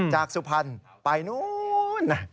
จากสุพรรณไปนู้น